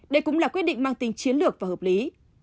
đây cũng là quyết định mang tính chiến lược và hợp lý